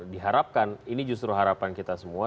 diharapkan ini justru harapan kita semua